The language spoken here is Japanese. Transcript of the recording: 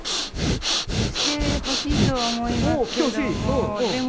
してほしいとは思いますけども。